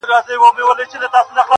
څه عجيبه غوندي حالت دى په يوه وجود کي ,